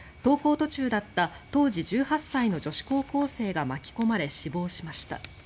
途中だった当時１８歳の女子高校生が巻き込まれ、死亡しました。